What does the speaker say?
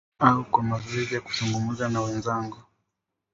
Au kwa mazoezi ya kuzungumza na wenzangu.